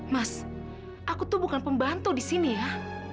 mas aku tuh bukan pembantu di sini ya